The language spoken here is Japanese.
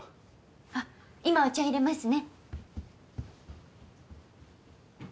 あっ今お茶入れますね。